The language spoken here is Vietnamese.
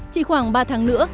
chỉ khoảng ba tháng nữa